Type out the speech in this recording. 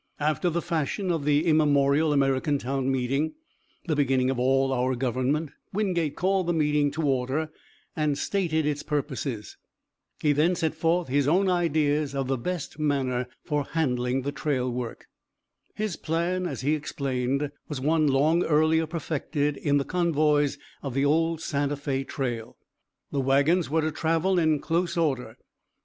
After the fashion of the immemorial American town meeting, the beginning of all our government, Wingate called the meeting to order and stated its purposes. He then set forth his own ideas of the best manner for handling the trail work. His plan, as he explained, was one long earlier perfected in the convoys of the old Santa Fé Trail. The wagons were to travel in close order.